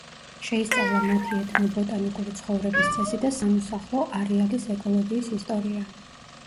შეისწავლა მათი ეთნობოტანიკური ცხოვრების წესი და სამოსახლო არეალის ეკოლოგიის ისტორია.